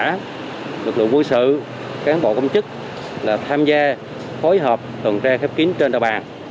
đảm bảo lực lượng quân sự cán bộ công chức tham gia phối hợp tuần tra kiểm soát phiếp kín trên địa bàn